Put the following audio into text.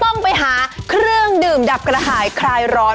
ต้องไปหาเครื่องดื่มดับกระหายคลายร้อน